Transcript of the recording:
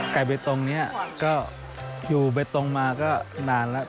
ไปตรงนี้ก็อยู่ไปตรงมาก็นานแล้ว